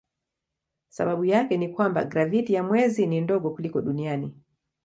Sababu yake ni ya kwamba graviti ya mwezi ni ndogo kuliko duniani.